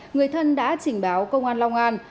người thân đã trình báo công an long an